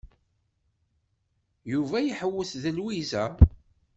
Yuba iḥewwes d Lwiza.